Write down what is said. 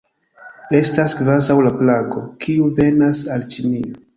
Estas kvazaŭ la plago, kiu venas al Ĉinio.